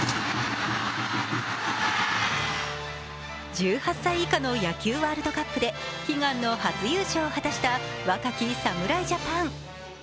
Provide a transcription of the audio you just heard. １８歳以下の野球ワールドカップで悲願の初優勝を果たした若き侍ジャパン。